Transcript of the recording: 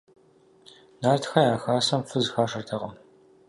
Нартхэ я хасэм фыз хашэртэкъым.